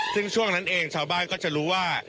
ซึ่งช่วงนั้นเองชาวบ้านก็จะรู้ว่า